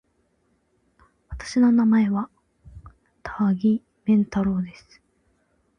私の名前は多岐麺太郎です。